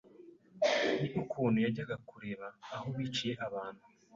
ni ukuntu yajyaga kureba aho biciye abantu